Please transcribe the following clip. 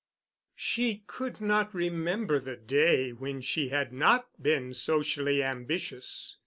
She could not remember the day when she had not been socially ambitious.